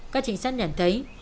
các chính sách nhận thấy